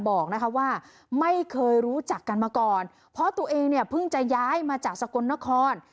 บอกนะคะว่าไม่เคยรู้จักกันมาก่อนเพราะตัวเองเนี่ยเพิ่งจะย้ายมาจากสกลนคร